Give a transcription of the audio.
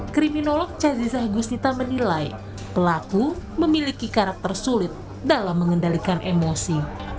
kriminolog cazizah gustita menilai pelaku memiliki karakter sulit dalam mengendalikan emosi